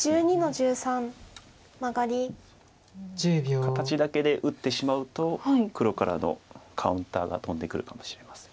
形だけで打ってしまうと黒からのカウンターが飛んでくるかもしれません。